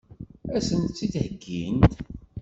Ad sen-t-id-heggint?